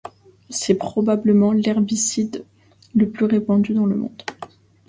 C'est probablement l’herbicide le plus répandu dans le monde.